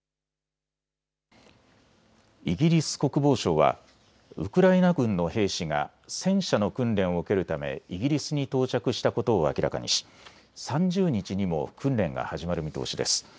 イギリス国防省はウクライナ軍の兵士が戦車の訓練を受けるためイギリスに到着したことを明らかにし、３０日にも訓練が始まる見通しです。